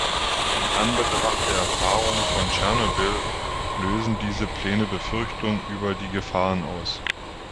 In Anbetracht der Erfahrungen von Tschernobyl lösen diese Pläne Befürchtungen über die Gefahren aus.